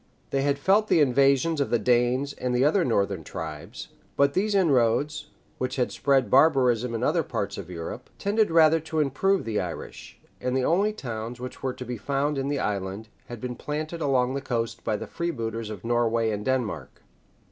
They had felt the invasions of the Danes and the other northern tribes; but these inroads, which had spread barbarism in other parts of Europe, tended rather to improve the Irish; and the only towns which were to be found in the island, had been planted along the coast by the freebooters of Norway and Denmark.